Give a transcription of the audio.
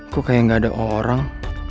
kok kayak gak ada orang